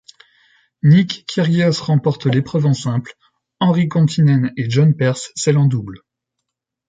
Nick Kyrgios remporte l'épreuve en simple, Henri Kontinen et John Peers celle en double.